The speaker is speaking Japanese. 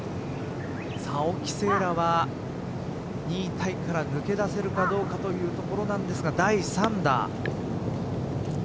沖せいらは２位タイから抜け出せるかどうかというところなんですが第３打。